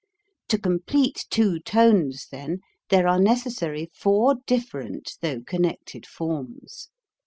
To complete two tones, then, there are necessary four different though connected forms.